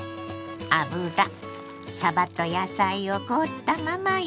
油さばと野菜を凍ったまま入れ